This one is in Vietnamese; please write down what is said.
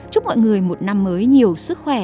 chúc mọi người một năm mới nhiều sức khỏe